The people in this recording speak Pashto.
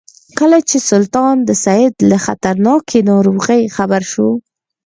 کله چې سلطان د سید له خطرناکې ناروغۍ خبر شو.